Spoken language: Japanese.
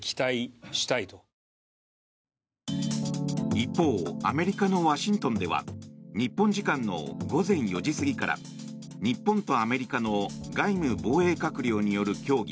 一方アメリカのワシントンでは日本時間の午前４時過ぎから日本とアメリカの外務・防衛閣僚による協議